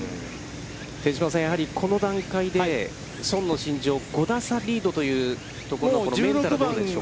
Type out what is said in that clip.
手嶋さん、やはりこの段階で宋の５打差リードというメンタルはどうでしょうか。